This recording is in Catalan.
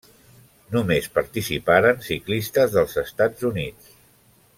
Només participaren ciclistes dels Estats Units.